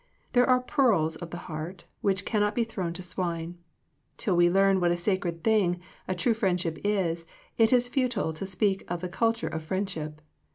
There are pearls of the heart, which can not be thrown to swine. Till we learn what a sacred thing a true friendship is, it is futile to speak of the culture of friendship.